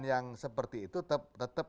yang seperti itu tetap